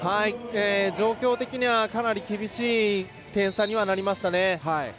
状況的にはかなり厳しい点差になりました。